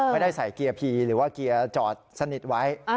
ไม่ได้ใส่เกียร์พีหรือว่าเกียร์จอดสนิทไว้